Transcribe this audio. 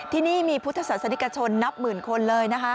ที่นี่มีพุทธศาสนิกชนนับหมื่นคนเลยนะคะ